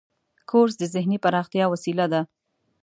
کورس د ذهني پراختیا وسیله ده.